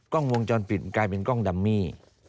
กล้องวงจรปิดกลายเป็นกล้องดัมมี่